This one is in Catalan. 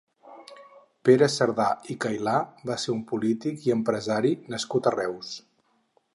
Pere Sardà i Cailà va ser un polític i empresari nascut a Reus.